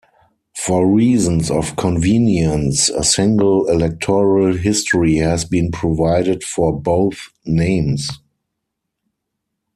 For reasons of convenience, a single electoral history has been provided for both names.